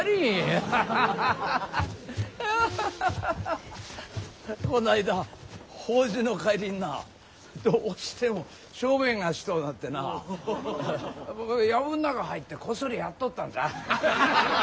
アハハハハこないだ法事の帰りになどうしても小便がしとうなってな薮ん中入ってこっそりやっとったんじゃ。